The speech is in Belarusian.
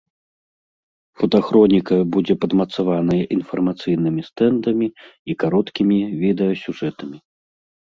Фотахроніка будзе падмацаваная інфармацыйнымі стэндамі і кароткімі відэасюжэтамі.